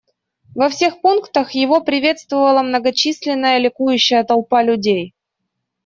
Во всех пунктах его приветствовала многочисленная ликующая толпа людей.